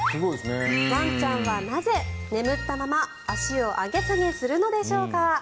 ワンちゃんはなぜ眠ったまま足を上げ下げするのでしょうか。